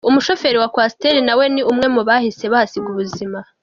Umushoferi wa Coaster na we ni umwe mu bahise bahasiga ubuzima.